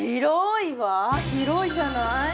広いじゃない。